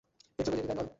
এর জন্য জেডি দায়ী নয়?